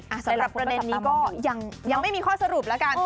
สำหรับประเด็นนี้ก็ยังไม่มีข้อสรุปแล้วกัน